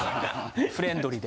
フレンドリーで。